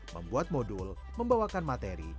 membuat modul membawakan materi